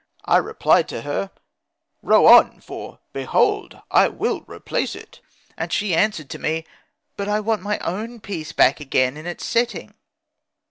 I replied to her, "Row on, for behold I will replace it"; and she answered to me, "But I want my own piece again back in its setting."'